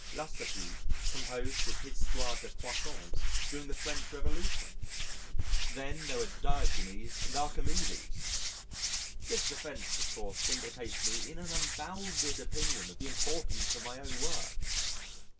Lacépède composed his Histoire des Poissons during the French Revolution. Then there were Diogenes and Archimedes. This defence of course implicates me in an unbounded opinion of the importance of my own work.